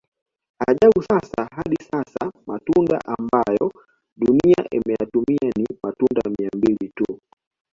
Ajabu sasa hadi sasa matunda ambayo dunia imeyatumia ni matunda mia mbili tu